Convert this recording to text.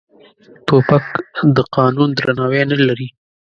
توپک د قانون درناوی نه لري.